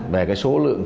về cái số lượng